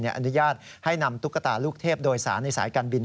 อนุญาตให้นำตุ๊กตาลูกเทพโดยสารในสายการบิน